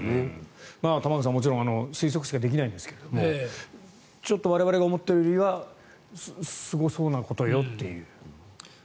玉川さん、もちろん推測しかできないんですがちょっと我々が思っているよりはすごそうなことだよという。